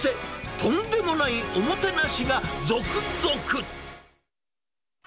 とんでもないおもてなしが続々。